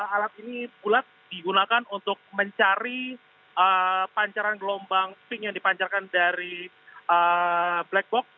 alat ini bulat digunakan untuk mencari pancaran gelombang pink yang dipancarkan dari black box